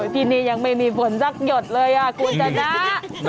ที่นี่ยังไม่มีผลสักหยดเลยคุณชนะ